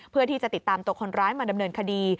เพื่อที่จะติดตามตัวคนร้ายมาดำเนินคดี